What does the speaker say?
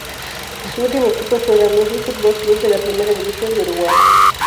Su último equipo fue Danubio Fútbol Club de la Primera División de Uruguay.